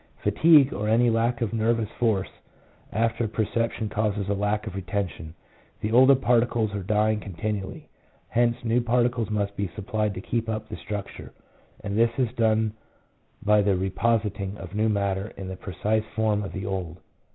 Fatigue, or any lack of nervous force, after a per ception, causes a lack of retention. The old particles are dying continually, hence new particles must be supplied to keep up the structure, and this is done by the re positing of new matter in the precise form of the old.